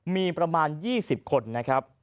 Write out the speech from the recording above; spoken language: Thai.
มีประมาณ๒๐คนนะครับ